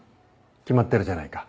決まってるじゃないか。